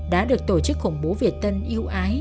đã được tổ chức khủng bố việt tân yêu ái